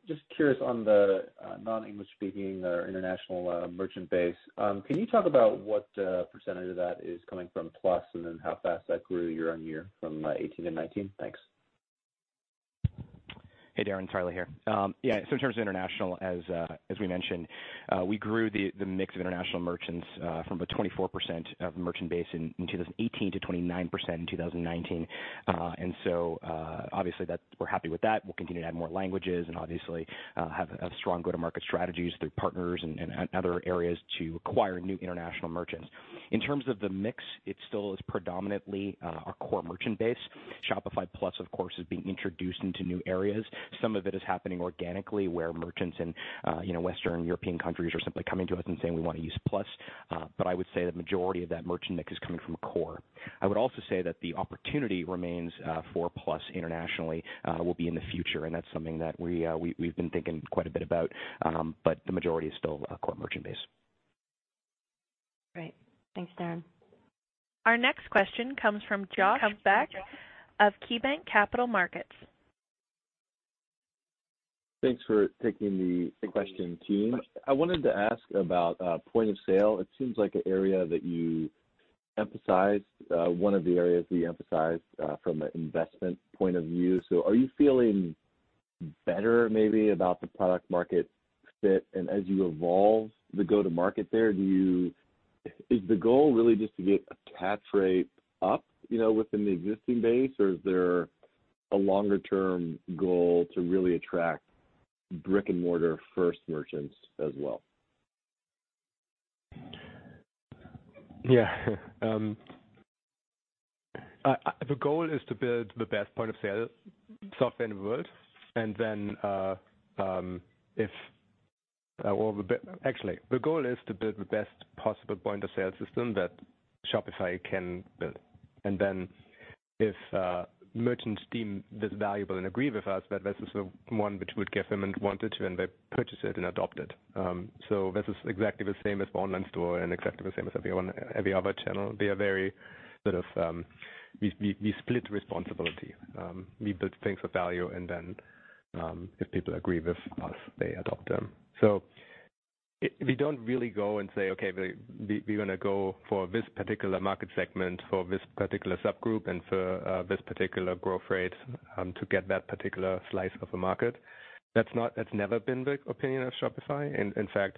Just curious on the non-English speaking or international merchant base. Can you talk about what percentage of that is coming from Plus, and then how fast that grew year-on-year from 2018-2019? Thanks. Hey, Darren. Harley here. In terms of international, as we mentioned, we grew the mix of international merchants from about 24% of merchant base in 2018 to 29% in 2019. Obviously that we're happy with that. We'll continue to add more languages and obviously have strong go-to-market strategies through partners and other areas to acquire new international merchants. In terms of the mix, it still is predominantly our core merchant base. Shopify Plus, of course, is being introduced into new areas. Some of it is happening organically, where merchants in Western European countries are simply coming to us and saying, "We wanna use Plus." I would say the majority of that merchant mix is coming from core. I would also say that the opportunity remains for Plus internationally will be in the future, and that's something that we've been thinking quite a bit about. The majority is still our core merchant base. Great. Thanks, Darren. Our next question comes from Josh Beck of KeyBanc Capital Markets. Thanks for taking the question, team. I wanted to ask about Point of Sale. It seems like an area that you emphasized, one of the areas that you emphasized, from an investment point of view. Are you feeling better maybe about the product market fit? As you evolve the go-to-market there, is the goal really just to get attach rate up, you know, within the existing base? Or is there a longer-term goal to really attract brick-and-mortar first merchants as well? Yeah. The goal is to build the best point-of-sale software in the world. Well, actually, the goal is to build the best possible point-of-sale system that Shopify can build. If merchants deem this valuable and agree with us that this is the one which would give them and wanted to, and they purchase it and adopt it. This is exactly the same as online store and exactly the same as every one, every other channel. They are very sort of, we split responsibility. We build things with value. If people agree with us, they adopt them. We don't really go and say, "Okay, we're gonna go for this particular market segment, for this particular subgroup and for this particular growth rate to get that particular slice of the market." That's never been the opinion of Shopify. In fact,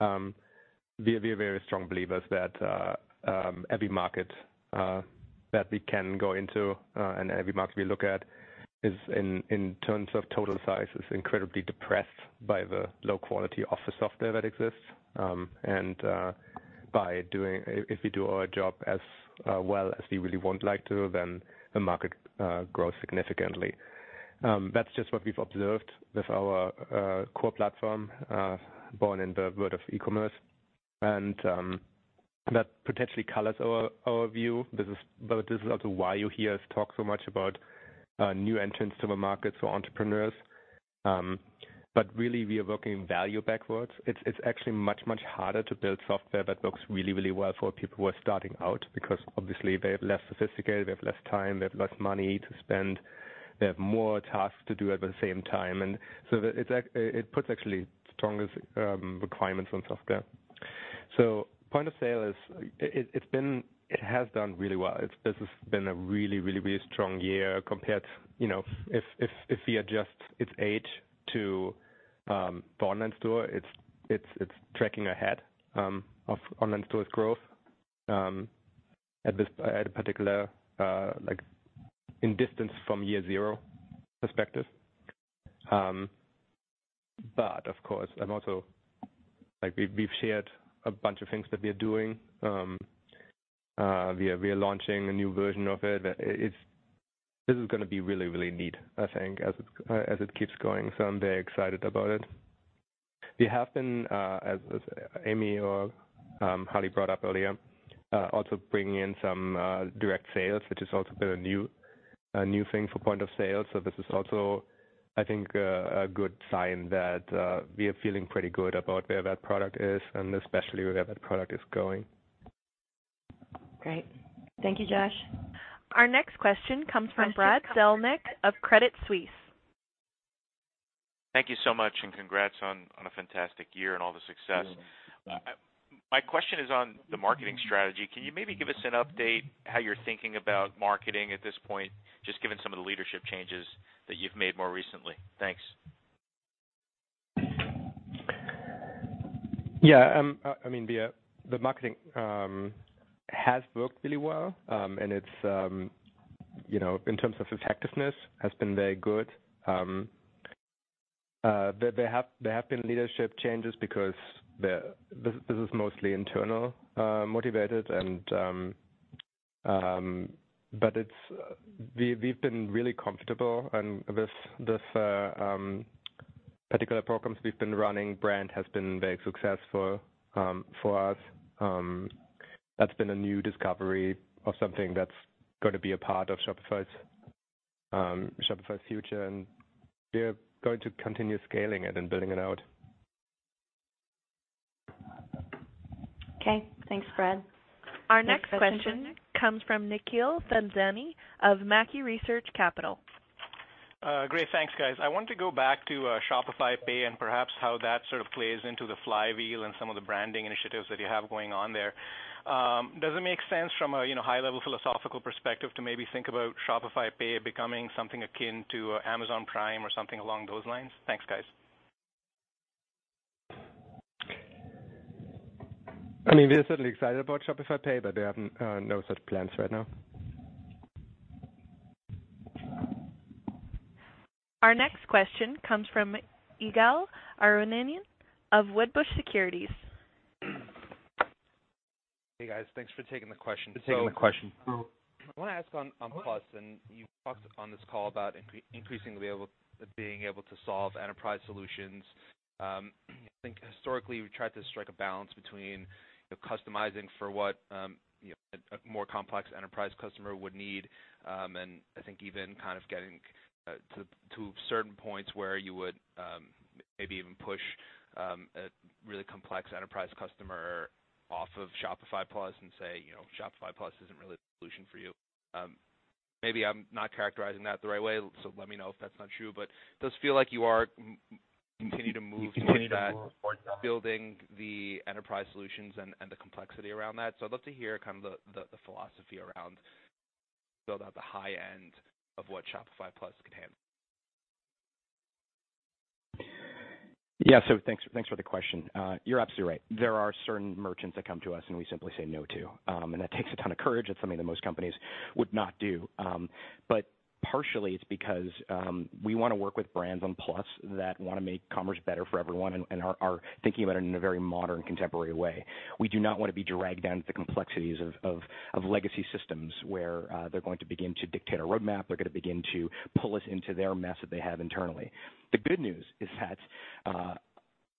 we are very strong believers that every market that we can go into and every market we look at is in terms of total size, is incredibly depressed by the low quality of the software that exists. And by doing if we do our job as well as we really would like to, then the market grows significantly. That's just what we've observed with our core platform born in the world of e-commerce. That potentially colors our view. This is also why you hear us talk so much about new entrants to the market for entrepreneurs. Really, we are working value backwards. It's, it's actually much, much harder to build software that works really, really well for people who are starting out because obviously they're less sophisticated, they have less time, they have less money to spend, they have more tasks to do at the same time. It puts actually strongest requirements on software. Point of Sale has done really well. This has been a really, really strong year compared, you know, if we adjust its age to for online store, it's tracking ahead of online store's growth at this, at a particular like in distance from year zero perspective. Of course, I'm also, like we've shared a bunch of things that we are doing. We are launching a new version of it. This is gonna be really, really neat, I think, as it keeps going. I'm very excited about it. We have been, as Amy or Harley brought up earlier, also bringing in some direct sales, which has also been a new thing for point of sale. This is also, I think, a good sign that we are feeling pretty good about where that product is and especially where that product is going. Great. Thank you, Josh. Our next question comes from Brad Zelnick of Credit Suisse. Thank you so much, congrats on a fantastic year and all the success. Yeah. My question is on the marketing strategy. Can you maybe give us an update how you're thinking about marketing at this point, just given some of the leadership changes that you've made more recently? Thanks. Yeah. I mean, the marketing has worked really well. It's, you know, in terms of effectiveness has been very good. There have been leadership changes because this is mostly internal motivated. It's, we've been really comfortable and with this particular programs we've been running, brand has been very successful for us. That's been a new discovery of something that's gonna be a part of Shopify's future, and we're going to continue scaling it and building it out. Okay. Thanks, Brad. Our next question comes from Nikhil Thadani of Mackie Research Capital. Great. Thanks, guys. I want to go back to Shop Pay and perhaps how that sort of plays into the flywheel and some of the branding initiatives that you have going on there. Does it make sense from a, you know, high level philosophical perspective to maybe think about Shop Pay becoming something akin to Amazon Prime or something along those lines? Thanks, guys. I mean, we are certainly excited about Shop Pay, but we have no such plans right now. Our next question comes from Ygal Arounian of Wedbush Securities. Hey, guys. Thanks for taking the question. [audio distortion] I wanna ask on Plus, You talked on this call about increasingly being able to solve enterprise solutions. I think historically, we tried to strike a balance between customizing for what, you know, a more complex enterprise customer would need, and I think even kind of getting to certain points where you would maybe even push a really complex enterprise customer off of Shopify Plus and say, "You know, Shopify Plus isn't really the solution for you." Maybe I'm not characterizing that the right way, so let me know if that's not true. Does feel like you are continue to move towards that? Building the enterprise solutions and the complexity around that. I'd love to hear kind of the philosophy around build out the high end of what Shopify Plus can handle. Thanks for the question. You're absolutely right. There are certain merchants that come to us and we simply say no to, and that takes a ton of courage. That's something that most companies would not do. Partially it's because we want to work with brands on Plus that want to make commerce better for everyone and are thinking about it in a very modern, contemporary way. We do not want to be dragged down to the complexities of legacy systems where they're going to begin to dictate our roadmap. They're going to begin to pull us into their mess that they have internally. The good news is that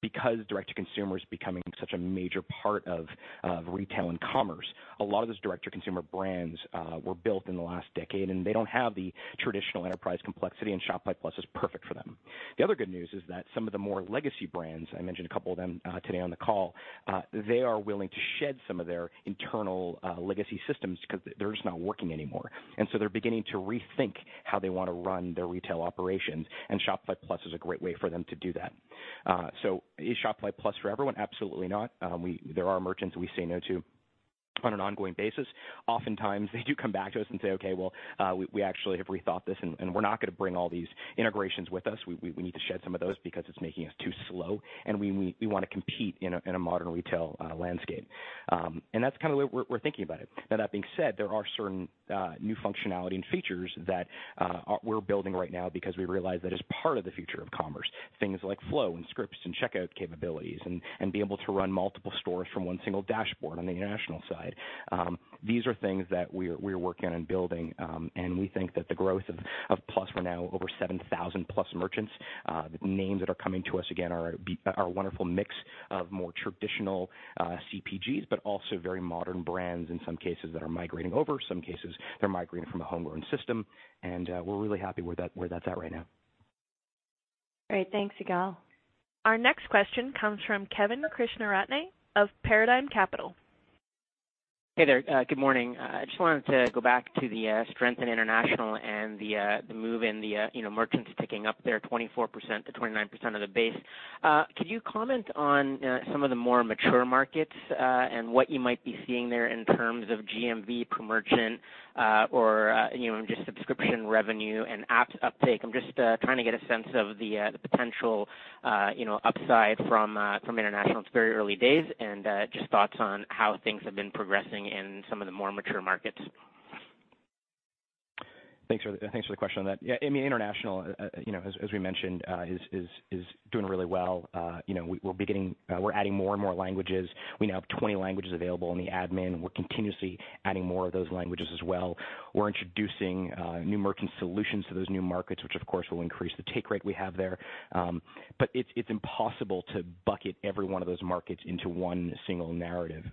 because direct to consumer is becoming such a major part of retail and commerce, a lot of those direct to consumer brands were built in the last decade, and they don't have the traditional enterprise complexity, and Shopify Plus is perfect for them. The other good news is that some of the more legacy brands, I mentioned a couple of them today on the call, they are willing to shed some of their internal legacy systems 'cause they're just not working anymore. They're beginning to rethink how they wanna run their retail operations, and Shopify Plus is a great way for them to do that. Is Shopify Plus for everyone? Absolutely not. There are merchants we say no to on an ongoing basis. Oftentimes, they do come back to us and say, "Okay, well, we actually have rethought this and we're not gonna bring all these integrations with us. We need to shed some of those because it's making us too slow, and we wanna compete in a modern retail landscape." That's kind of the way we're thinking about it. Now, that being said, there are certain new functionality and features that we're building right now because we realize that is part of the future of commerce. Things like Flow and Scripts and checkout capabilities and be able to run multiple stores from one single dashboard on the international side. These are things that we're working on building, and we think that the growth of Plus, we're now over 7,000 plus merchants. The names that are coming to us, again, are a wonderful mix of more traditional CPGs, but also very modern brands in some cases that are migrating over, some cases they're migrating from a homegrown system. We're really happy where that, where that's at right now. Great. Thanks, Ygal. Our next question comes from Kevin Krishnaratne of Paradigm Capital. Hey there. Good morning. I just wanted to go back to the strength in international and the the move in the, you know, merchants picking up their 24%-29% of the base. Could you comment on some of the more mature markets and what you might be seeing there in terms of GMV per merchant or, you know, just subscription revenue and app uptake? I'm just trying to get a sense of the the potential, you know, upside from from international. It's very early days. Just thoughts on how things have been progressing in some of the more mature markets. Thanks for the question on that. Yeah, I mean, international, you know, as we mentioned, is doing really well. You know, we'll be getting, we're adding more and more languages. We now have 20 languages available in the admin. We're continuously adding more of those languages as well. We're introducing new merchant solutions to those new markets, which of course will increase the take rate we have there. It's impossible to bucket every one of those markets into one single narrative.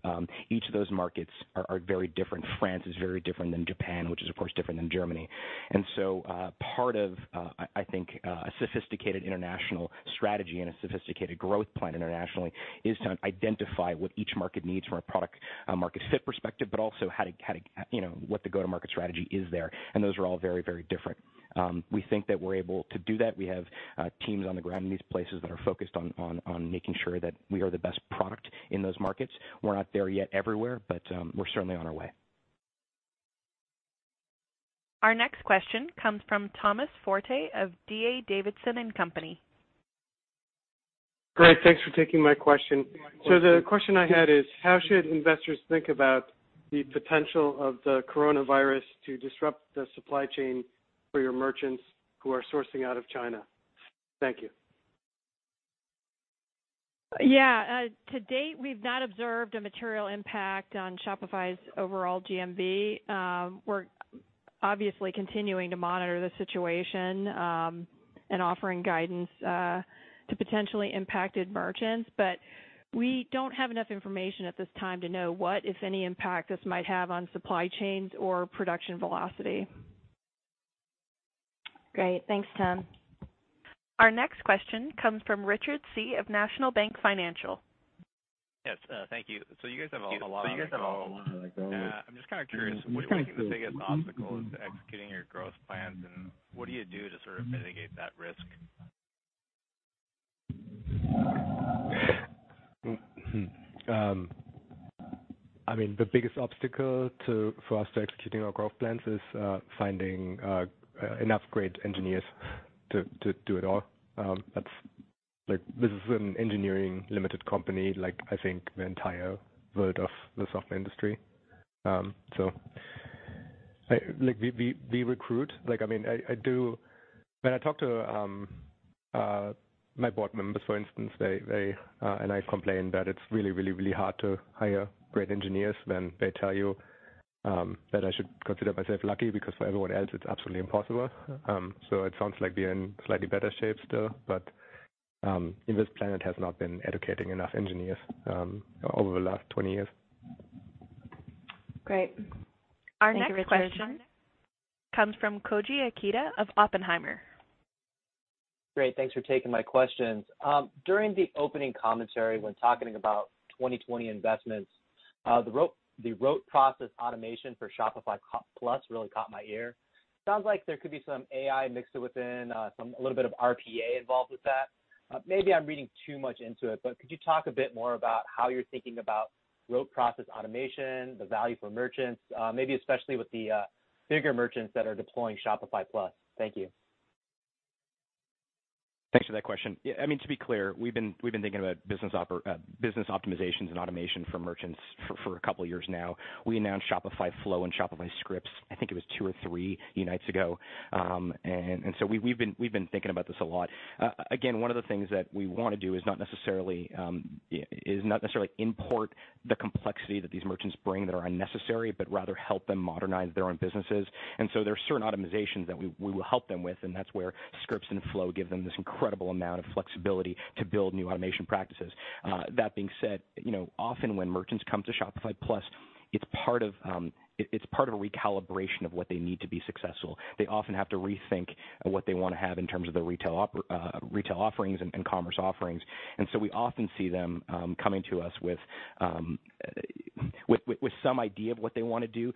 Each of those markets are very different. France is very different than Japan, which is of course different than Germany. Part of, I think, a sophisticated international strategy and a sophisticated growth plan internationally is to identify what each market needs from a product, market fit perspective, but also how to, you know, what the go-to-market strategy is there. Those are all very, very different. We think that we're able to do that. We have teams on the ground in these places that are focused on making sure that we are the best product in those markets. We're not there yet everywhere, but we're certainly on our way. Our next question comes from Thomas Forte of D.A. Davidson & Co. Great. Thanks for taking my question. The question I had is, how should investors think about the potential of the coronavirus to disrupt the supply chain for your merchants who are sourcing out of China? Thank you. To date, we've not observed a material impact on Shopify's overall GMV. We're obviously continuing to monitor the situation and offering guidance to potentially impacted merchants. We don't have enough information at this time to know what, if any, impact this might have on supply chains or production velocity. Great. Thanks, Tom. Our next question comes from Richard Tse of National Bank Financial. Yes. Thank you. I'm just kind of curious, what do you think the biggest obstacle is executing your growth plans, and what do you do to sort of mitigate that risk? I mean, the biggest obstacle for us to executing our growth plans is finding enough great engineers to do it all. That's like, this is an engineering-limited company, like, I think the entire world of the software industry. Like, we recruit. Like, I mean, I do. When I talk to my board members, for instance, they, and I complain that it's really hard to hire great engineers. They tell you that I should consider myself lucky because for everyone else, it's absolutely impossible. It sounds like we're in slightly better shape still, but, and this planet has not been educating enough engineers over the last 20 years. Great. Thank you, Richard. Our next question comes from Koji Ikeda of Oppenheimer. Great. Thanks for taking my questions. During the opening commentary when talking about 2020 investments, the robotic process automation for Shopify Plus really caught my ear. Sounds like there could be some AI mixed within a little bit of RPA involved with that. Maybe I'm reading too much into it, could you talk a bit more about how you're thinking about robotic process automation, the value for merchants, maybe especially with the bigger merchants that are deploying Shopify Plus. Thank you. Thanks for that question. I mean, to be clear, we've been thinking about business optimizations and automation for merchants for a couple of years now. We announced Shopify Flow and Shopify Scripts, I think it was two or three Unites ago. We've been thinking about this a lot. Again, one of the things that we wanna do is not necessarily import the complexity that these merchants bring that are unnecessary, but rather help them modernize their own businesses. There are certain automations that we will help them with, and that's where Scripts and Flow give them this incredible amount of flexibility to build new automation practices. That being said, you know, often when merchants come to Shopify Plus, it's part of a recalibration of what they need to be successful. They often have to rethink what they wanna have in terms of their retail offerings and commerce offerings. We often see them coming to us with some idea of what they wanna do.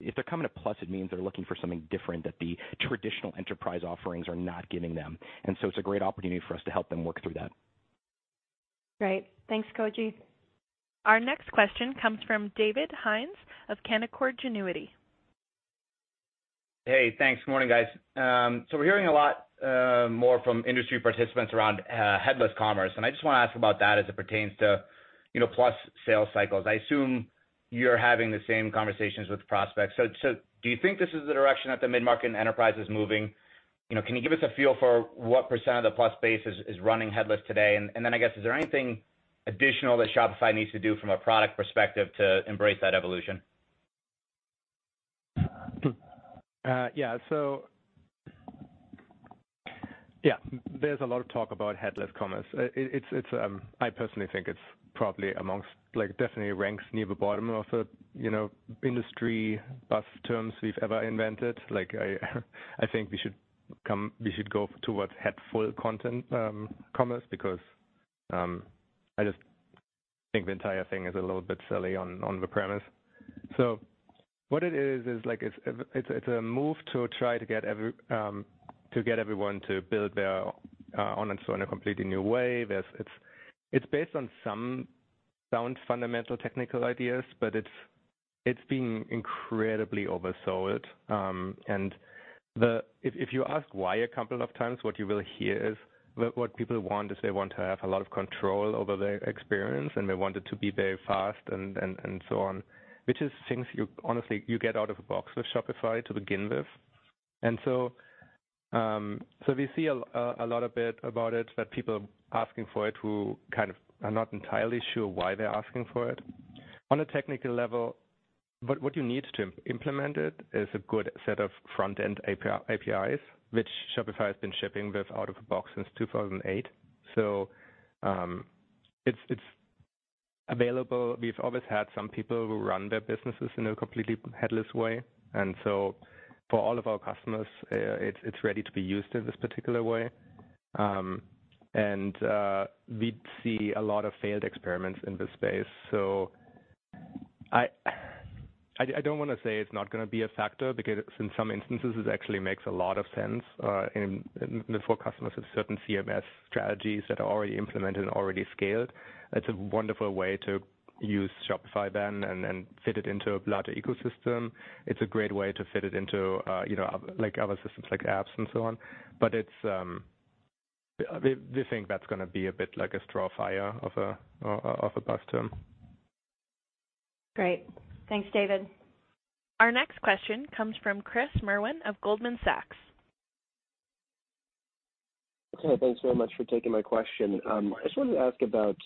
If they're coming to Plus, it means they're looking for something different that the traditional enterprise offerings are not giving them. It's a great opportunity for us to help them work through that. Great. Thanks, Koji. Our next question comes from David Hynes of Canaccord Genuity. Hey, thanks. Morning, guys. We're hearing a lot more from industry participants around headless commerce, and I just want to ask about that as it pertains to, you know, Plus sales cycles. I assume you're having the same conversations with prospects. Do you think this is the direction that the mid-market enterprise is moving? You know, can you give us a feel for what % of the Plus base is running headless today? I guess, is there anything additional that Shopify needs to do from a product perspective to embrace that evolution? Yeah. Yeah, there's a lot of talk about headless commerce. It's, I personally think it's probably amongst, like, definitely ranks near the bottom of the, you know, industry buzz terms we've ever invented. Like I think we should go towards head full content, commerce because, I just think the entire thing is a little bit silly on the premise. What it is like it's a move to try to get every, to get everyone to build their online store in a completely new way. It's based on some sound fundamental technical ideas, but it's been incredibly oversold. If you ask why a couple of times, what you will hear is what people want is they want to have a lot of control over their experience and they want it to be very fast and so on, which is things you honestly get out of a box with Shopify to begin with. We see a lot of it, that people asking for it who kind of are not entirely sure why they're asking for it. On a technical level, what you need to implement it is a good set of front-end APIs, which Shopify has been shipping with out of the box since 2008. It's available. We've always had some people who run their businesses in a completely headless way. For all of our customers, it's ready to be used in this particular way. We see a lot of failed experiments in this space. I don't wanna say it's not gonna be a factor because in some instances, it actually makes a lot of sense for customers with certain CMS strategies that are already implemented and already scaled. It's a wonderful way to use Shopify then and fit it into a larger ecosystem. It's a great way to fit it into, you know, like other systems like apps and so on. We think that's gonna be a bit like a straw fire of a buzz term. Great. Thanks, David. Our next question comes from Chris Merwin of Goldman Sachs. Okay, thanks so much for taking my question. I just wanted to ask about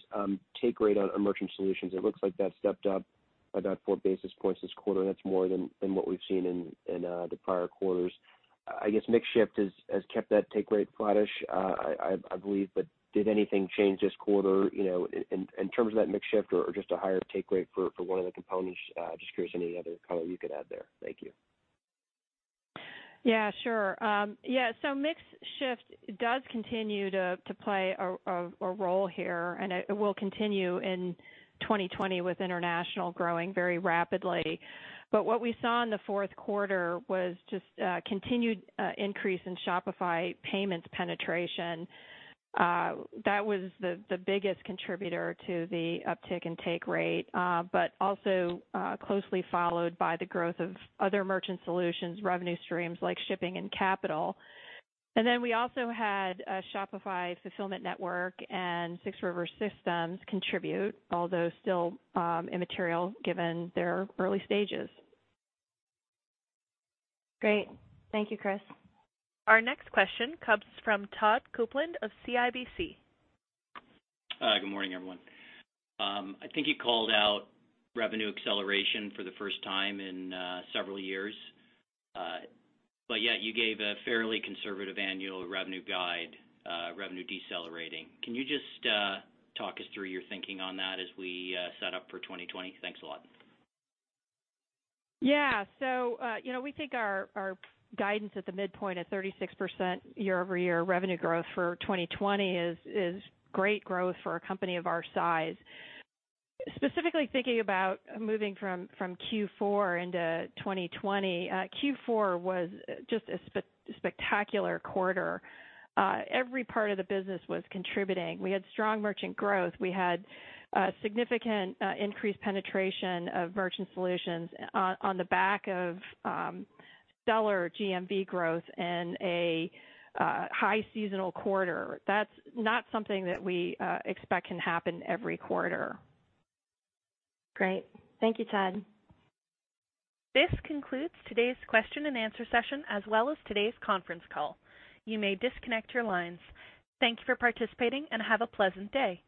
take rate on our merchant solutions. It looks like that stepped up by about 4 basis points this quarter. That's more than what we've seen in the prior quarters. I guess mix shift has kept that take rate flattish, I believe, but did anything change this quarter, you know, in terms of that mix shift or just a higher take rate for one of the components? Just curious any other color you could add there. Thank you. Yeah, sure. Mix shift does continue to play a role here, and it will continue in 2020 with international growing very rapidly. What we saw in the fourth quarter was just continued increase in Shopify Payments penetration. That was the biggest contributor to the uptick in take rate, also closely followed by the growth of other merchant solutions revenue streams like Shopify Shipping and Shopify Capital. We also had a Shopify Fulfillment Network and 6 River Systems contribute, although still immaterial given their early stages. Great. Thank you, Chris. Our next question comes from Todd Coupland of CIBC. Good morning, everyone. I think you called out revenue acceleration for the first time in several years. You gave a fairly conservative annual revenue guide, revenue decelerating. Can you just talk us through your thinking on that as we set up for 2020? Thanks a lot. Yeah. you know, we think our guidance at the midpoint at 36% year-over-year revenue growth for 2020 is great growth for a company of our size. Specifically thinking about moving from Q4 into 2020, Q4 was just a spectacular quarter. Every part of the business was contributing. We had strong merchant growth. We had significant increased penetration of merchant solutions on the back of stellar GMV growth and a high seasonal quarter. That's not something that we expect can happen every quarter. Great. Thank you, Todd. This concludes today's question and answer session, as well as today's conference call. You may disconnect your lines. Thank you for participating, and have a pleasant day.